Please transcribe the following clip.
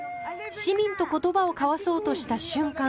市民と言葉を交わそうとした瞬間